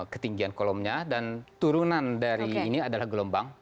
ketinggian kolomnya dan turunan dari ini adalah gelombang